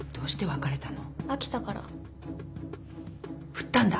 振ったんだ。